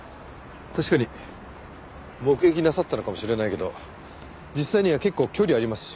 確かに目撃なさったのかもしれないけど実際には結構距離ありますしね